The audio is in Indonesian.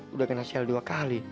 udah kena sel dua kali